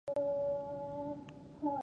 سانتیاګو مالي زیان ګالي.